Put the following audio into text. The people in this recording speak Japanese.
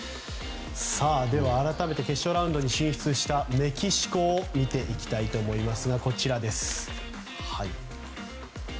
改めて決勝ラウンドに進出したメキシコを見てきたいと思います。